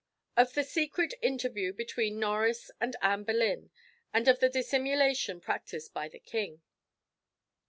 Of the Secret Interview between Norris and Anne Boleyn, and of the Dissimulation practised by the King.